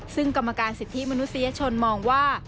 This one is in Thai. ซึ่งกรรมการสิทธิมนุษยชนมองว่า